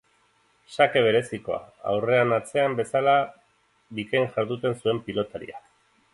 Sake berezikoa, aurrean atzean bezala bikain jarduten zuen pilotaria.